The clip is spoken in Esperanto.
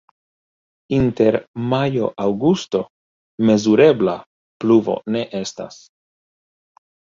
Inter majo-aŭgusto mezurebla pluvo ne estas.